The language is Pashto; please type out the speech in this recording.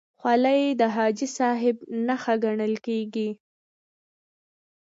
خولۍ د حاجي صاحب نښه ګڼل کېږي.